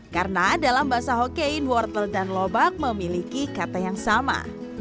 karena dalam bahasa hokkein wortel dan lobak memiliki kata yang sama